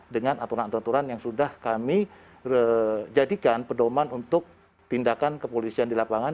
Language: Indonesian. dengan aturan aturan yang sudah kami jadikan pedoman untuk tindakan kepolisian di lapangan